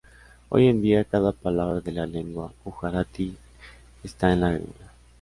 Hoy en día, cada palabra de la lengua Gujarati está en lágrimas".